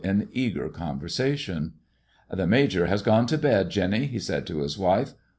n eager conversation ■'The Major has gone to bed Jenny, he said to his wife.